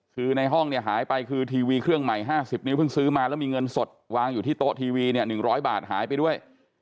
คือในห้องเนี่ยหายไปคือทีวีเครื่องใหม่๕๐นิ้วเพิ่งซื้อมาแล้วมีเงินสดวางอยู่ที่โต๊ะทีวีเนี่ย๑๐๐บาทหายไปด้วย